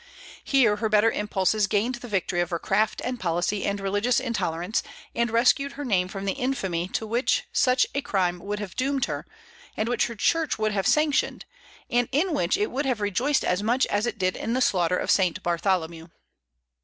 Here her better impulses gained the victory over craft and policy and religious intolerance, and rescued her name from the infamy to which such a crime would have doomed her, and which her Church would have sanctioned, and in which it would have rejoiced as much as it did in the slaughter of Saint Bartholomew.